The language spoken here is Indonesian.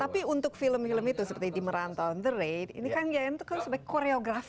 tapi untuk film film itu seperti di merantau the raid ini kan ya itu kan sebagai koreografi